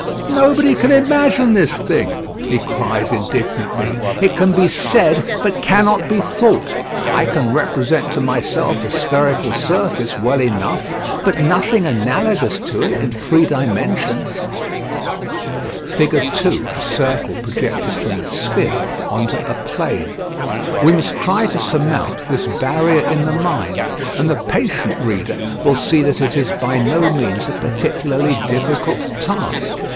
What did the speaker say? "Nobody can imagine this thing," he cries indignantly. "It can be said, but cannot be thought. I can represent to myself a spherical surface well enough, but nothing analogous to it in three dimensions." [Figure 2: A circle projected from a sphere onto a plane] We must try to surmount this barrier in the mind, and the patient reader will see that it is by no means a particularly difficult task.